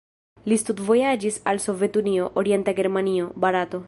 Li studvojaĝis al Sovetunio, Orienta Germanio, Barato.